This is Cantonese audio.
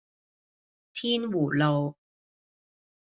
天湖路